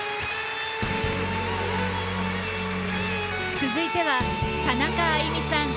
続いては田中あいみさん